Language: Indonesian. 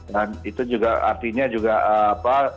dan itu juga artinya juga apa